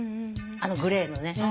あのグレーのね。